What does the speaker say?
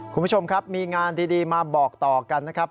คุณผู้ชมครับมีงานดีมาบอกต่อกันนะครับ